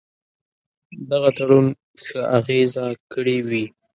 دغه تړون ښه اغېزه کړې وي.